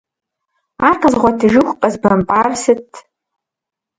Ар къэзгъуэтыжыху къэзбэмпӏар сыт?!